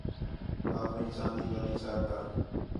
آپݨی چاندی والی چا کر